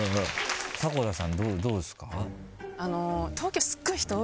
迫田さんどうですか？